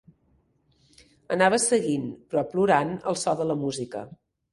Anava seguint, però plorant al só de la música